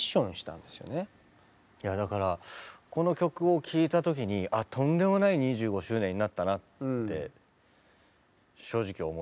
だからこの曲を聴いた時にあっとんでもない２５周年になったなって正直思いましたね。